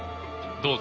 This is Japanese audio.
どうぞ。